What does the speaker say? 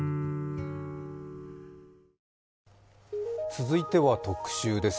続いては特集です。